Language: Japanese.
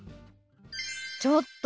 ちょっと！